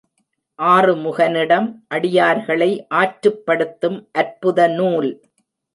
ஆறுமுகனிடம் அடியார்களை ஆற்றுப்படுத்தும் அற்புத நூல்.